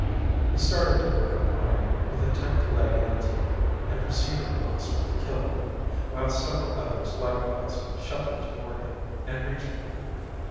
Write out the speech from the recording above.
He started toward O'Brien, with intent to lay hands on him and proceed at once with the killing, while several others likewise shuffled toward him and reached for him.